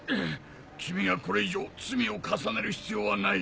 君がこれ以上罪を重ねる必要はない。